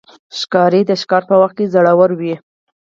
ښکاري د ښکار په وخت کې زړور وي.